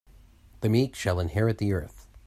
The meek shall inherit the earth.